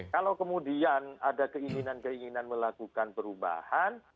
kalau kemudian ada keinginan keinginan melakukan perubahan